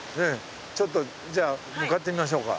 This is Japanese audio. ちょっとじゃあ向かってみましょうか。